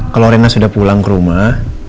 kalau rena sudah pulang ke rumah